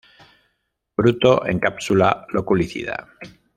Fruto en cápsula loculicida.